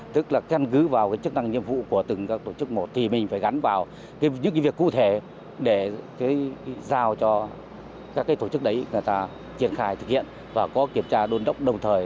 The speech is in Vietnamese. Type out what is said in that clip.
để giao cho các tổ chức đấy người ta triển khai thực hiện và có kiểm tra đôn đốc đồng thời